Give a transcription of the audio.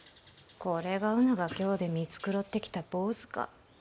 これが、うぬが京で見繕ってきた坊主か。